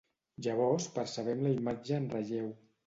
Llavors percebem la imatge en relleu.